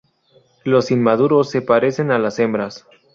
Los inmaduros se parecen a las hembras.